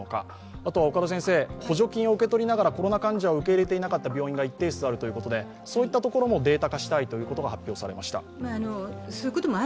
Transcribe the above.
あとは補助金を受け取りながらコロナ患者を受け入れていなかった病院が一定数あるということで、そういったところもデータ化したいと発表されました。